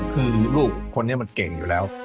คือลูกคนนี้มันเก่งอยู่แล้ว